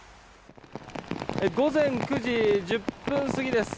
午前９時１０分過ぎです。